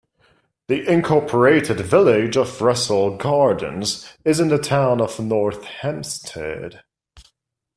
The Incorporated Village of Russell Gardens is in the Town of North Hempstead.